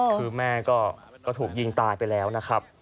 คือแม่ก็ถูกยิงตายไปแล้วนะครับ